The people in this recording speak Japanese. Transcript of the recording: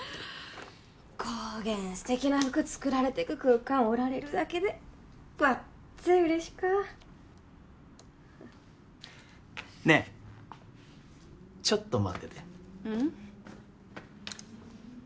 こげん素敵な服作られてく空間おられるだけでわっぜ嬉しかねえちょっと待っててうん？